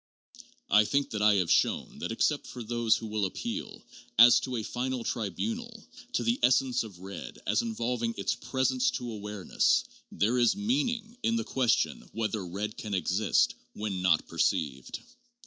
I think that I have shown that except for those who will appeal, as to a final tribunal, to the essence of red as involving its presence to awareness, there is meaning in the question whether red can exist when not perceived.